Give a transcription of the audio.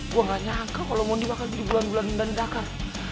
gue gak nyangka kalau mondi bakal jadi bulan bulan mendandakan